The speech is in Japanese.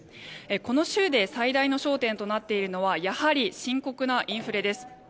この州で最大の焦点となっているのはやはり深刻なインフレです。